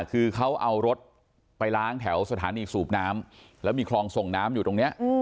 คือเขาเอารถไปล้างแถวสถานีสูบน้ำแล้วมีคลองส่งน้ำอยู่ตรงนี้